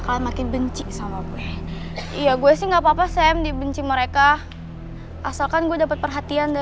sampai jumpa di video selanjutnya